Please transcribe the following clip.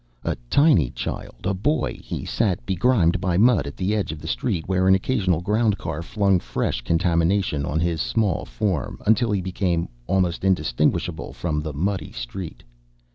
A tiny child, a boy, he sat begrimed by mud at the edge of the street where an occasional ground car flung fresh contamination on his small form until he became almost indistinguishable from the muddy street.